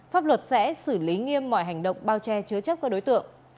pháp luật sẽ xử lý nghiêm mọi hành động bao che chứa chấp các đối tượng